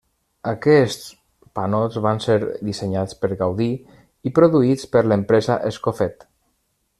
Aquests panots van ser dissenyats per Gaudí, i produïts per l'empresa Escofet.